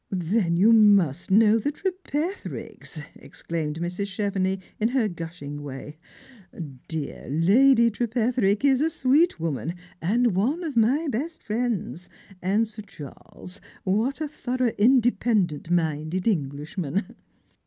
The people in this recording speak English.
"Then you must know the Trepethericks!" exclaimed Mrs. Chevenix, in her gushing way; "dear Lady Trepetherick is a Bweet woman, and one of my best friends ; and Sir Charles, what a thorough independent minded Englishman!"